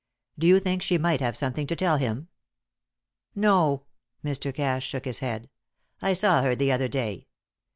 Do you think she might have something to tell him?" "No." Mr. Cass shook his head. "I saw her the other day.